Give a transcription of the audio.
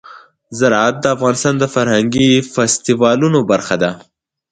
زراعت د افغانستان د فرهنګي فستیوالونو برخه ده.